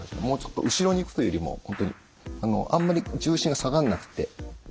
もうちょっと後ろに行くというよりも本当にあんまり重心が下がんなくって。